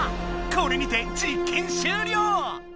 これにて実験終了！